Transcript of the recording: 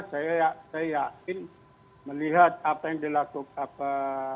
saya yakin melihat apa yang dilakukan